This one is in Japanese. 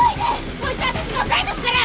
こいつは私が押さえとくから！